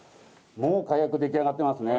もう火薬出来上がってますね。